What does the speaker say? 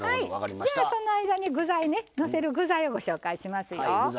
その間にのせる具材を紹介しますよ。